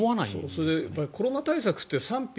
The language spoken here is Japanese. それで、コロナ対策って賛否